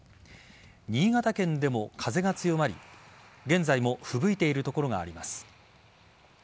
新潟県でも風が強まり現在もふぶいている所があります。